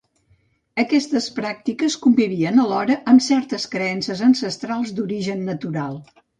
Aquestes pràctiques convivien alhora amb certes creences ancestrals d'origen natural.